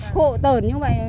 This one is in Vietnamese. khổ tởn như vậy